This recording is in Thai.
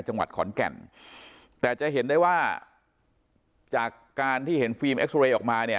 จังหวัดขอนแก่นแต่จะเห็นได้ว่าจากการที่เห็นฟิล์มเอ็กซอเรย์ออกมาเนี่ย